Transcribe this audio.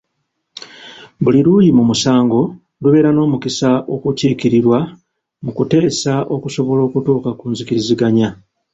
Buli luuyi mu musango lubeere n’omukisa okukiikirirwa mu kuteesa okusobola okutuuka ku nzikiriziganya.